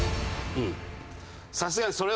うん。